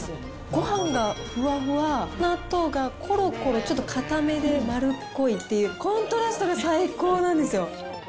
ごはんがふわふわ、納豆がころころ、ちょっとかためで丸っこいっていう、コントラストが最高なんですよ。